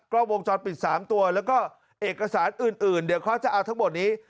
ก็วงจรปิด๓ตัวแล้วก็เอกสารอื่นเดี๋ยวเขาจะเอาทั้งหมดนี้